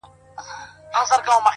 د بدرنگ رهبر نظر کي را ايسار دی’